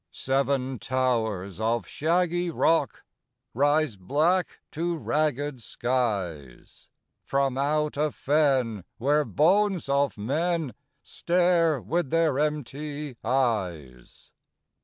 Seven towers of shaggy rock Rise black to ragged skies, From out a fen where bones of men Stare with their empty eyes.